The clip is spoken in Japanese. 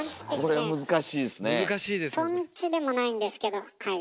とんちでもないんですけどはい。